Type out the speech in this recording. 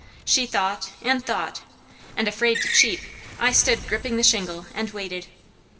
She thought, and thought, and afraid to cheep, I stood gripping the shingle and waited.